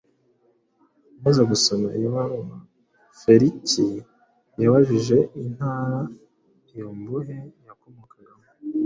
Amaze gusoma iyo baruwa, Feliki yabajije intara iyo mbohe yakomokagamo